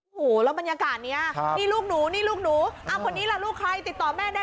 หูแล้วบรรยากาศเงี้ยเขาที่ลูกหนิลูกหนูเธอติบต่อแม่ได้